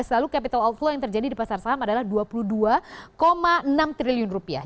dua ribu lima belas lalu capital outflow yang terjadi di pasar saham adalah dua puluh dua enam triliun rupiah